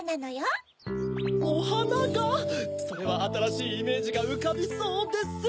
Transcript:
それはあたらしいイメージがうかびそうです！